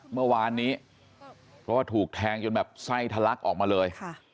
เมื่อวานนี้เพราะว่าถูกแทงจนแบบไส้ทะลักออกมาเลย